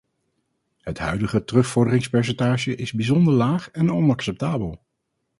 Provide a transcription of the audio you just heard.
Het huidige terugvorderingspercentage is bijzonder laag en onacceptabel.